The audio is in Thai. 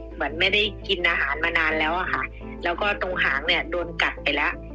เหมือนไม่ได้กินอาหารมานานแล้วอะค่ะแล้วก็ตรงหางเนี่ยโดนกัดไปแล้ว